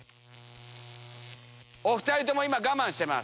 お２人とも今我慢してます。